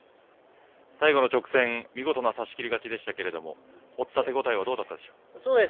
最後の直線、見事な差しきり勝ちでしたけど手応えはどうだったでしょうか。